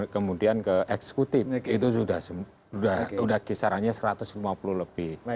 kemudian ke eksekutif itu sudah kisarannya satu ratus lima puluh lebih